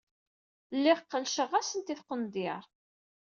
Lliɣ qellceɣ-asent i tqendyar.